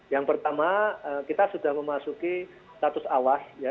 yang pertama kita sudah memasuki status awas ya